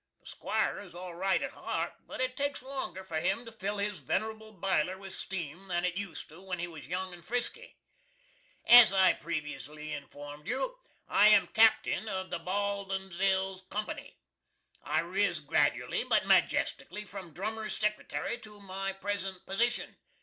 The 'Squire is all right at heart, but it takes longer for him to fill his venerable Biler with steam than it used to when he was young and frisky. As I previously informed you, I am Captin of the Baldinsville Company. I riz gradooally but majestically from drummer's Secretary to my present position.